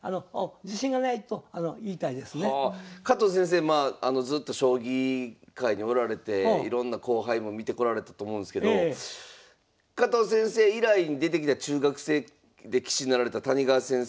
加藤先生ずっと将棋界におられていろんな後輩も見てこられたと思うんですけど加藤先生以来に出てきた中学生で棋士になられた谷川先生